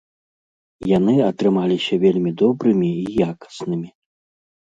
Яны атрымаліся вельмі добрымі і якаснымі.